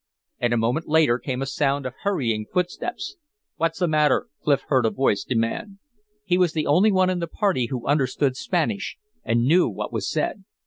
And a moment later came a sound of hurrying footsteps. "What's the matter?" Clif heard a voice demand. He was the only one in the party who understood Spanish, and knew what was said.